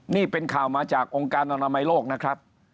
นี่เป็นข่าวมาจากองค์การอนามัยโลกนะครับ